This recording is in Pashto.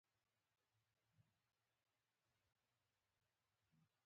د ترکستان سلاطینو هم د مېلمستیاوو دود پاللی دی.